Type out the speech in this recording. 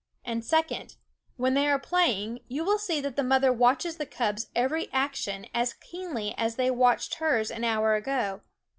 And second, when they are playing you will see that the mother watches the cubs' every action as keenly as they watched hers an hour ago.